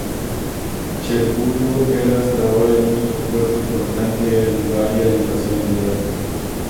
Cherburgo era hasta ahora el único puerto importante en el área de invasión aliada.